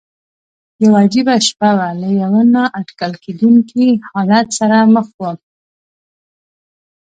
یوه عجیبه شپه وه، له یوه نا اټکل کېدونکي حالت سره مخ ووم.